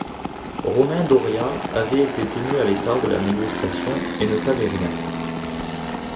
Romain Doria avait été tenu à l'écart de la négociation et ne savait rien.